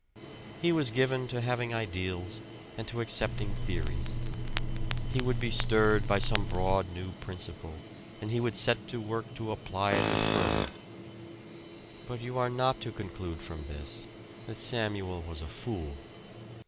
He was given to having ideals and to accepting theories. He would be stirred by some broad new principle; and he would set to work to apply it with fervor. But you are not to conclude from this that Samuel was a fool.